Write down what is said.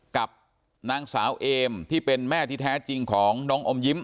กับนางสาวเอมที่เป็นแม่ที่แท้จริงของน้องอมยิ้ม